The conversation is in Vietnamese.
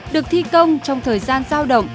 được thi công trong thời gian giao động